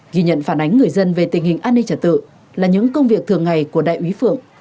ghi nhận phản ánh người dân về tình hình an ninh trật tự là những công việc thường ngày của đại úy phượng